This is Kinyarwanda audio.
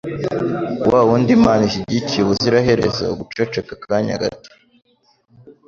wa wundi Imana ishyigikiye ubuziraherezo guceceka akanya gato